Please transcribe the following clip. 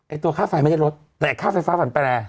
ตัวค่าไฟไม่ได้ลดแต่ค่าไฟฟ้าฝันแปร